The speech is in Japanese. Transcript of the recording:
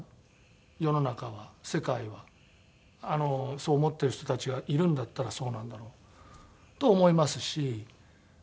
そう思ってる人たちがいるんだったらそうなんだろうと思いますし。